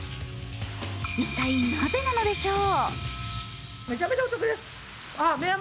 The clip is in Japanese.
一体なぜなのでしょう。